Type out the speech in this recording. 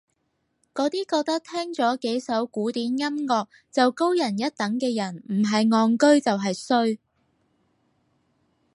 嗰啲覺得聽咗幾首古典音樂就高人一等嘅人唔係戇居就係衰